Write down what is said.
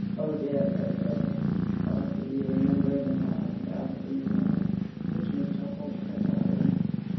O Dea certe, thought he, remembering the lines out of the AEneas which Mr. Holt had taught him.